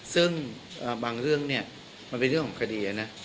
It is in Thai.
ซึ่งบางเรื่องเนี่ยมันเป็นเรื่องของคดีนะ